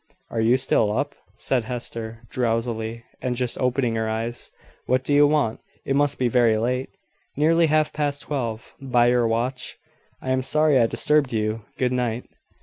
"Are you still up?" said Hester, drowsily, and just opening her eyes. "What do you want? It must be very late." "Nearly half past twelve, by your watch. I am sorry I disturbed you. Good night."